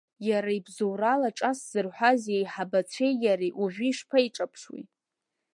Иара ибзоурала ҿа сзырҳәаз иеиҳабацәеи иареи уажәы ишԥеиҿаԥшуеи?